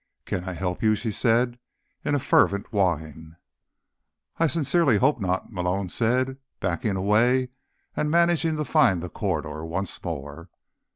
"Can I help you?" she said in a fervent whine. "I sincerely hope not," Malone said, backing away and managing to find the corridor once more.